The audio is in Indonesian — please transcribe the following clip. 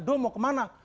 do mau kemana